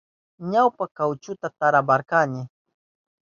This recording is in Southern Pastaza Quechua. Ñawpa kawchuta tarawarkani.